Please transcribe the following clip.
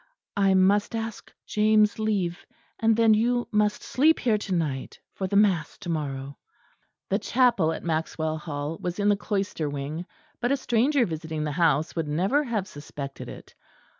I must ask James' leave; and then you must sleep here to night, for the mass to morrow." The chapel at Maxwell Hall was in the cloister wing; but a stranger visiting the house would never have suspected it.